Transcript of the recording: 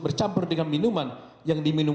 bercampur dengan minuman yang diminum